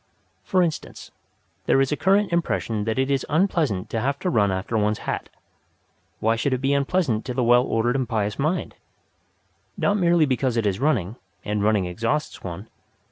For instance, there is a current impression that it is unpleasant to have to run after one's hat. Why should it be unpleasant to the well ordered and pious mind? Not merely because it is running, and running exhausts one.